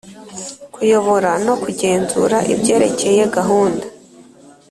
Kuyobora no kugenzura ibyerekeye gahunda